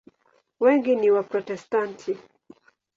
Wengi ni Waprotestanti.